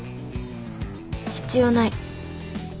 必要ない。